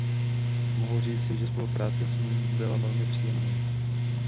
Mohu říci, že spolupráce s ní byla velmi příjemná.